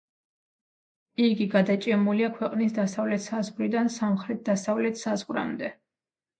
იგი გადაჭიმულია ქვეყნის დასავლეთ საზღვრიდან, სამხრეთ-დასავლეთ საზღვრამდე.